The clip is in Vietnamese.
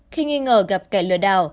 khi nghi ngờ gặp kẻ lừa đảo